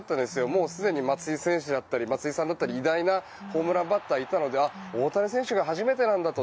もうすでに松井選手だったり偉大なホームランバッターいたので大谷選手が初めてなんだと。